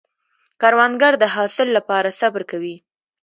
کروندګر د حاصل له پاره صبر کوي